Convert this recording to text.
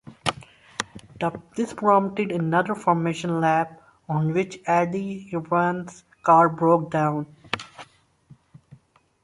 This prompted another formation lap, on which Eddie Irvine's car broke down.